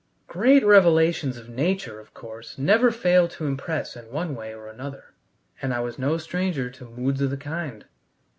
Great revelations of nature, of course, never fail to impress in one way or another, and I was no stranger to moods of the kind.